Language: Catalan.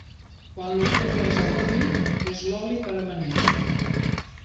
Quan l'octubre és a la fi, fes l'oli per amanir.